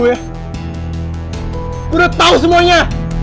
gue udah tau semuanya